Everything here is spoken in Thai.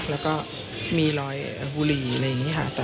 แล้วก็มีรอยบุหรี่อะไรอย่างนี้ค่ะ